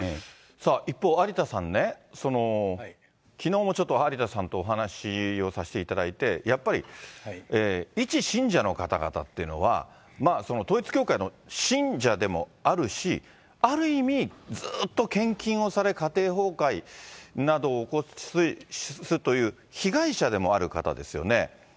一方、有田さんね、きのうもちょっと有田さんとお話をさせていただいて、やっぱり、一信者の方々っていうのは、統一教会の信者でもあるし、ある意味、ずっと献金をされ、家庭崩壊などを起こすという被害者でもある方ですよね。